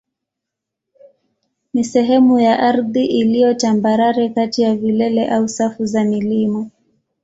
ni sehemu ya ardhi iliyo tambarare kati ya vilele au safu za milima.